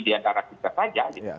di antara kita saja